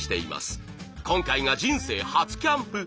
今回が人生初キャンプ。